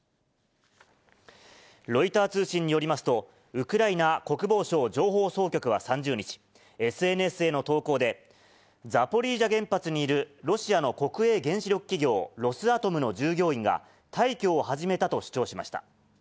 ロイター通信によりますと、ウクライナ国防省情報総局は３０日、ＳＮＳへの投稿で、ザポリージャ原発にいるロシアの国営原子力企業、ロスアトムの従業員が退去を始めたと主張しました。